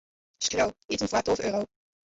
Skriuw: iten foar tolve euro.